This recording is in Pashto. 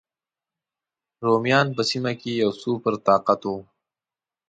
رومیان په سیمه کې یو سوپر طاقت و.